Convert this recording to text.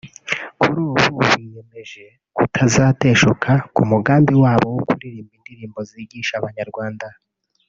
Kuri ubu biyemeje kutazateshuka ku mugambi wabo wo kuririmba indirimbo zigisha abanyarwanda